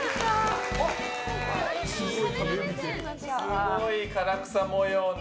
すごい唐草模様の。